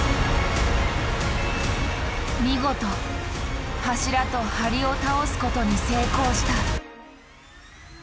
見事柱と梁を倒すことに成功した。